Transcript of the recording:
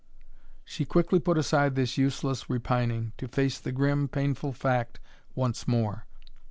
She quickly put aside this useless repining, to face the grim, painful fact once more.